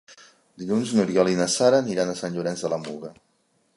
Dilluns n'Oriol i na Sara aniran a Sant Llorenç de la Muga.